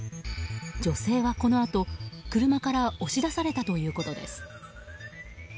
女性は、このあと車から押し出されたということです。